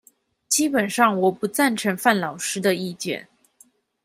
基本上我不贊成范老師的意見